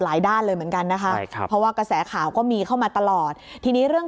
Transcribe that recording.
ด้านเลยเหมือนกันนะคะใช่ครับเพราะว่ากระแสข่าวก็มีเข้ามาตลอดทีนี้เรื่อง